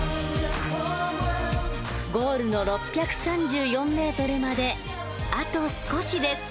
ゴールの６３４ｍまであと少しです。